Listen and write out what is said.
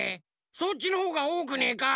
そっちのほうがおおくねえか？